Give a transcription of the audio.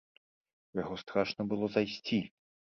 У яго страшна было зайсці!